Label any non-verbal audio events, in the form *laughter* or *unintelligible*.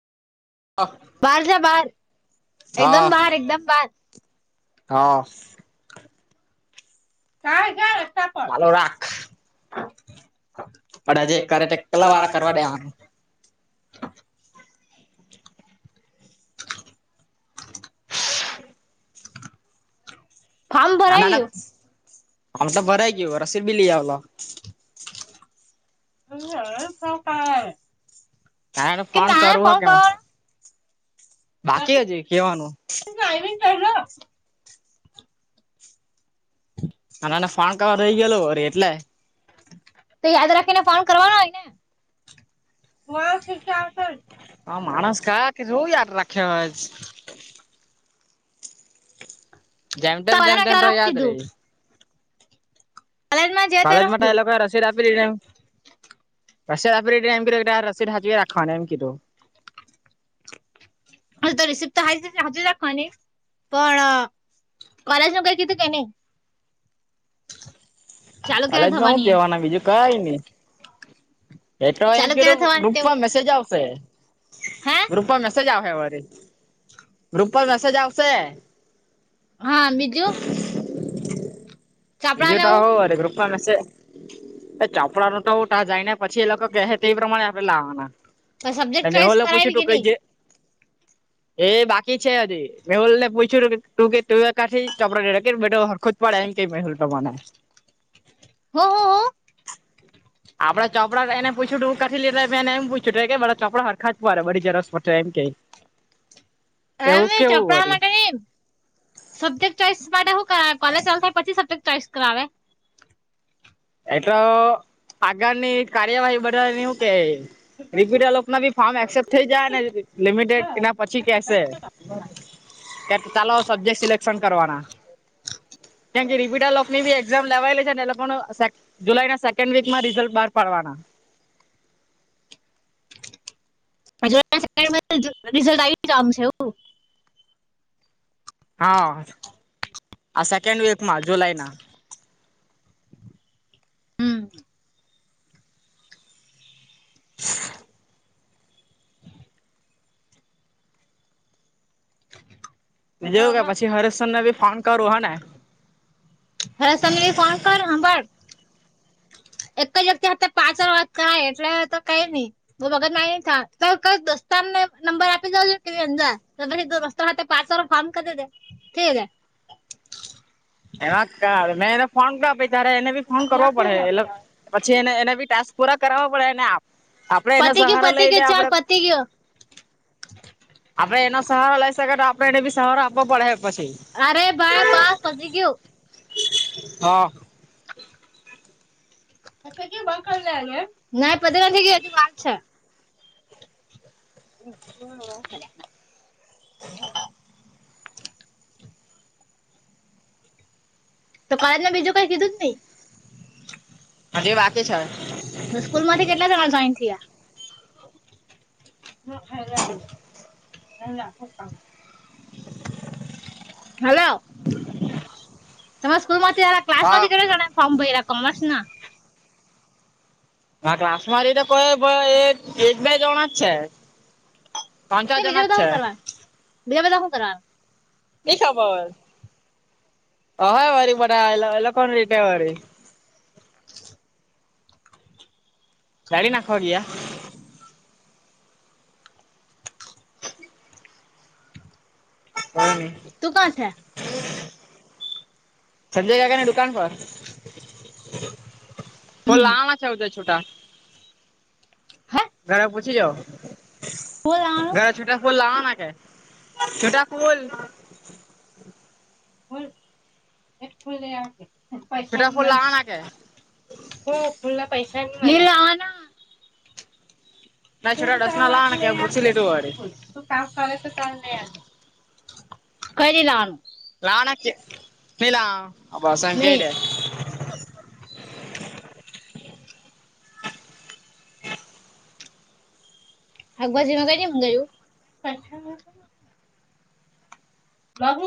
બહાર જા બહાર, એકદમ હા બહાર એકદમ બહાર. હા કાય જાય. ચાલું રાખ. પણ હજે કરે તે કેટલા વાળા કરવા દેવાનું. ફોર્મ ના ના ભરાઈ ના ગયું ફોર્મ તો ભરાઈ ગયું રસી બિ લી આવલો. હમ હમ *inaudible* હા એને ફોન કરુ હહ કે *inaudible* કરવાનો બાકી હજી કેવાનું? *inaudible* કર અને અને ફોન કરવાનો રહી ગયેલો વરી એટલે તો યાદ રાખીને ફોન કરવાનો હોય ને હહ ઠીક હે. હ માણસ કા કે ચેવું યાર રખ યજ. જેમ તેમ જેમ તેમ ને તો હું યાદ રે. કીધું હાલમાં જ કોલેજ માટે એ લોકો રસીદ આપી દીધી એમ રસી આપે એ એમ તો એ રસી હાચવી રાખવાનું એમ કીધું. હ તો રિસિપ્ટ તો હાચવી રાખવાની પણ કોલેજમાં કાંઈ કીધું કે નહીં? કોલેજમાં હું કહેવાના બીજું? કઈ નહી એ તો એમ ચાલુ ક્યારે કીધું થવાની તેવું ગ્રુપમાં મેસેજ આવશે. હે ગ્રુપમાં મેસેજ આવહે વરી. *inaudible* ગ્રુપમાં મેસેજ આવશે. હા બીજું? ચોપડા બીજું ને તો એવું હું વરી ગ્રુપમાં મેસેજ એ ચોપડાનું તો હુતા જાયને પછી એ લોકો કે તે પ્રમાણે આપે લાવવાના. એ સબ્જેક્ટ ચોઈસ મેહોલે પૂછ્યું કરાવી તું કે કઈ જે *inaudible* એ બાકી છે હજી મેહુલ ને પૂછ્યું તું કે તું ક્યાંથી ચપરા રા બધું હરખું જ પણ એમ કઈ ભઈ તમારા હો હો હો આપડા ચોપડા એ પૂછ્યું તું ક્યાંથી લીધા એમ પૂછ્યું કે મારા ચોપડા હરખા જ મળે બધી ઝેરોક્ષ માં જઈ એમે ચોપડા વરી માકે *unintelligible* સબ્જેક્ટ ચોઈસ માટે શું કર કોલેજ ચાલુ થાય પછી સબ્જેક્ટ ચોઈસ કરાવે એટલો આગળની કાર્યવાહી બદલ એવુ કે રિપીટ લોકમાં બી ફોર્મ એક્સેપ્ટ થઇ જાય ને લિમિટેડ એના પછી કેસે ચાલો સબ્જેક્ટ સિલેક્શન કરવાના કેમ કે રીપીટર લોકો ની બી એક્ઝામ લેવાયલી છે ને એ લોકો જુલાઈ ના સેન્ડ વીકમાં રિઝલ્ટ બાર પાડવાના હે રિઝલ્ટ આવી આમ છે એવું હા આ સેકન્ડ વીકમાં જુલાઈ ના હમ્મ. જેવું કે પછી હરેશ સર ને ભી ફોન કરું હોને હરેશ સર ને ફોન કરું હાભળ એક જ વ્યક્તિ સાથે પાછળ વાત કરાય એટલે તો કઈ નહી. બઉ મગજ મારી નઈ કરવાની સર ને સર ને નંબર આપી દઉ *unintelligible* *unintelligible* પાચ વાર ફોન કરી દે *unintelligible* એમાં ત મેં એને ફોન કર ત્યારે એને બી ફોન કરવો પડે એટલે પછી એને એને બી ટાસ્ક પૂરા કર પડેને આપ આપડે એના પતી ગયું સહારા પતી લઈને ગયું ચાલ આપડે પતી ગયું આપડે એનો સહારો લઈ શકે તો આપડે એને બી સહારો આપો પડે પછી અરે ભાઈ બસ હજી ગયું હા. *unintelligible* *unintelligible* *inaudible* તો માર ને બીજું કઈ કીધું જ નઈ હવે વાતે છ અને સ્કૂલ માંથી કેટલા જણા જોઈન થયા *unintelligible* હલો તમાર સ્કૂલ માંથી *unintelligible* ક્લાસ હા માંથી કેટલા જણાએ ફોર્મ ભર્યા કોમર્સ ના હ ક્લાસ માથી તો કોઈ કોઈ એક બે જણા જ છે પાંચ છો તે બીજા જણા જ બધા છે. શું કરવા બીજા બધા હું કર નિ ખબર હવે વળી બધા રીતે વળી કાઢી નાખો ગયા *inaudible* તું કરશે સંજય ગયા કાકા ને દુકાન પર તો હમ બાવે છે છુટા હે ઘરે પૂછી જુઓ હું લાવાનું ઘરે છૂટા ફુલ લાવવાના છે બધા ફુલ *unintelligible* બધા ફુલ લાવાના છે. હમ્મ ફુલ્લા પૈસા *unintelligible* ના તું છૂટા દસ તાર ના માંથી લાવવાના કે લઈ ને પૂછી આપી લીધું વરી દે તો કામ કરે તો કરી રાખ નાણા કે પેલા આપ વાસણ ની કર્યા શાકભાજીમાં કઈ કઈ મંગાયુ લાહુ.